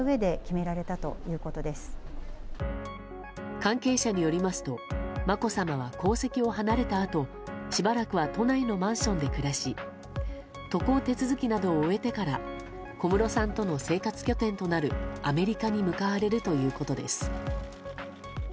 関係者によりますとまこさまは皇籍を離れたあとしばらくは都内のマンションで暮らし渡航手続きなどを終えてから小室さんとの生活拠点となるアメリカに向かわれるということです。